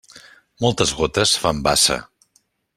Moltes gotes fan bassa.